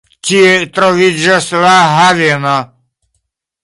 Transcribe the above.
Tie troviĝas la haveno.